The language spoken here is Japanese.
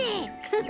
フフ。